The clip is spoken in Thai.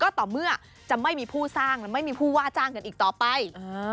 ต่อเมื่อจะไม่มีผู้สร้างและไม่มีผู้ว่าจ้างกันอีกต่อไป